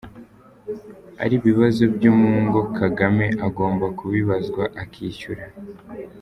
-Ari ibibazo byo mu ngo, Kagame agomba kubibazwa akishyura.